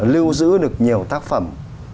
lưu giữ được nhiều tác phẩm